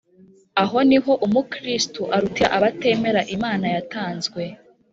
aho niho umukristu arutira abatemera imana yatwanze